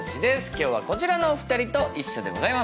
今日はこちらのお二人と一緒でございます。